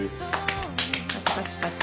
パチパチパチ。